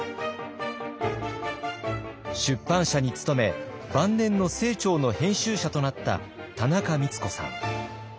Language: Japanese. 出版社に勤め晩年の清張の編集者となった田中光子さん。